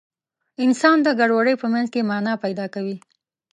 انسان د ګډوډۍ په منځ کې مانا پیدا کوي.